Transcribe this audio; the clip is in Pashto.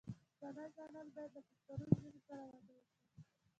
پښتانه ځوانان بايد له پښتنو نجونو سره واده وکړي.